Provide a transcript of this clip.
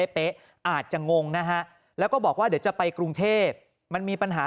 เป๊ะอาจจะงงนะฮะแล้วก็บอกว่าเดี๋ยวจะไปกรุงเทพมันมีปัญหา